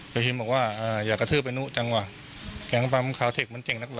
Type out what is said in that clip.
พระพิมพ์บอกว่าอ่าอย่ากระทืบไปนู่นจังวะแกงปั๊มคาวเทคมันเจ๋งนักเหรอ